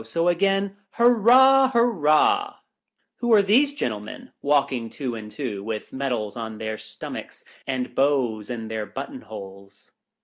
So, again, Hurrah ! hurrah ! Who are these gentlemen walking two and two, with medals on their stomachs and bows in their button holes